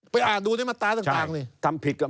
ไปอ่านดูในมาตราต่างเลย